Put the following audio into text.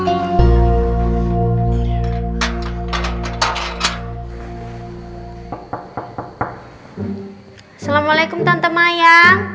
assalamu'alaikum tante maya